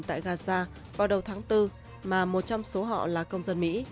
tại gaza vào đầu tháng bốn mà một trong số họ là công dân mỹ